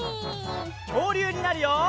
きょうりゅうになるよ！